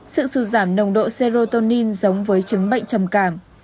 sự sụt giảm nồng độ crotonin giống với chứng bệnh trầm cảm